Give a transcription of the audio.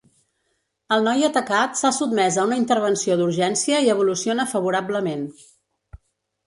El noi atacat s’ha sotmès a una intervenció d’urgència i evoluciona favorablement.